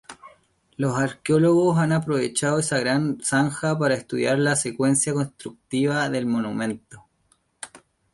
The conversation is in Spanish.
Los arqueólogos han aprovechado esa gran zanja para estudiar la secuencia constructiva del monumento.